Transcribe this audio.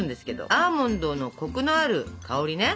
アーモンドのコクのある香りね。